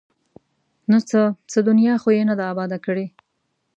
ـ نو څه؟ څه دنیا خو یې نه ده اباده کړې!